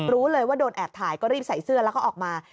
รู้เลยว่าโดนแอบถ่ายก็รีบใส่เสื้อแล้วก็ออกมา